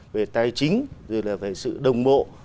về tài chính rồi là về sự đồng bộ